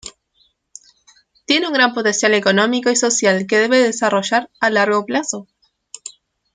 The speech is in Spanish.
Tiene un gran potencial económico y social que debe desarrollar a largo plazo.